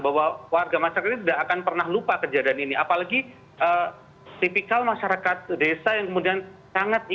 bahwa warga masyarakat ini tidak akan pernah lupa kejadian ini apalagi tipikal masyarakat desa yang kemudian sangat